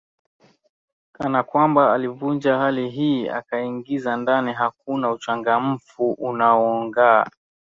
kana kwamba alivunja hali hii akaiingiza ndani Hakuna uchangamfu unaongaa